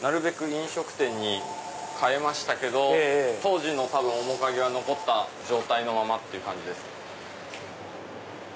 飲食店に変えましたけど当時の面影が残った状態のままっていう感じです。